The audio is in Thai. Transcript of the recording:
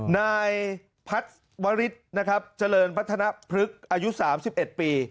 ในพัฒน์วริสนะครับเจริญพัฒนาภลึกอายุ๓๑ปี